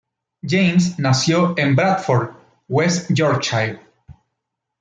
James nació en Bradford, West Yorkshire.